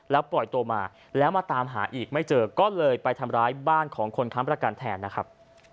แล้วปล่อยตัวมาแล้วมาตามหาอีกไม่เจอก็เลยไปทำร้ายบ้านของคนค้ำประกันแทนนะครับ